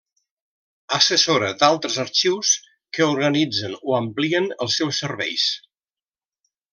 Assessora d'altres arxius que organitzen o amplien els seus serveis.